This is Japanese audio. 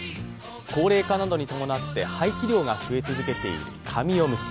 高齢化などに伴って廃棄量が増え続けている紙おむつ。